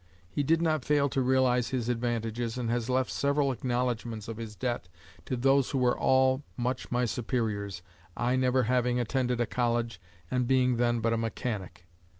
He did not fail to realise his advantages, and has left several acknowledgments of his debt to "those who were all much my superiors, I never having attended a college and being then but a mechanic."